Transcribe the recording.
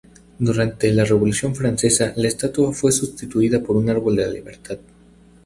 Durante la Revolución francesa, la estatua fue sustituida por un árbol de la libertad.